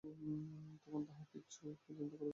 তখন তাহার বেশি কিছু চিন্তা করিবার শক্তি ছিল না।